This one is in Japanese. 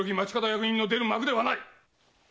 役人の出る幕ではない！